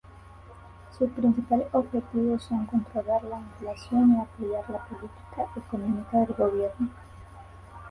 Sus principales objetivos son controlar la inflación y apoyar la política económica del Gobierno.